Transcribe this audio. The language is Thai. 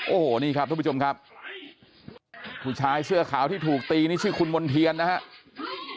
โอ้โหนี่ครับทุกผู้ชมครับผู้ชายเสื้อขาวที่ถูกตีนี่ชื่อคุณมณ์เทียนนะครับ